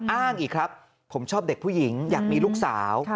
อ้างอีกครับผมชอบเด็กผู้หญิงอยากมีลูกสาว